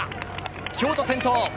京都、先頭！